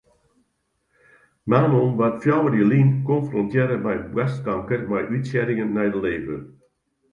Manon waard fjouwer jier lyn konfrontearre mei boarstkanker mei útsieddingen nei de lever.